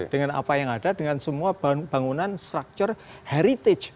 dengan apa yang ada dengan semua bangunan structure heritage